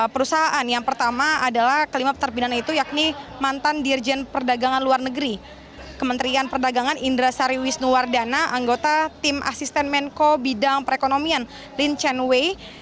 perusahaan yang pertama adalah kelima peterpindahan itu yakni mantan dirjen perdagangan luar negeri kementerian perdagangan indra sariwisnuwardana anggota tim asisten menko bidang perekonomian lin chen wei